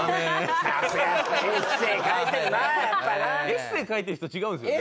エッセー書いてる人違うんですよね。